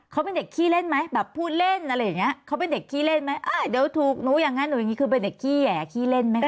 เขาเป็นเด็กขี้เล่นไหมแบบพูดเล่นอะไรอย่างเงี้ยเขาเป็นเด็กขี้เล่นไหมอ่าเดี๋ยวถูกหนูอย่างนั้นหนูอย่างนี้คือเป็นเด็กขี้แห่ขี้เล่นไหมคะ